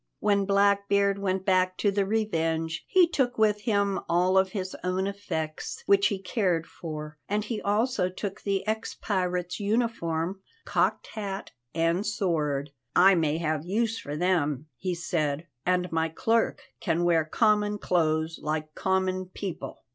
When Blackbeard went back to the Revenge he took with him all of his own effects which he cared for, and he also took the ex pirate's uniform, cocked hat, and sword. "I may have use for them," he said, "and my clerk can wear common clothes like common people."